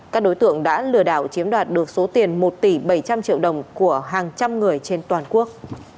các đối tượng đã lừa đảo chiếm đoạt được số tiền một tỷ bảy trăm linh triệu đồng của hàng trăm người trên toàn quốc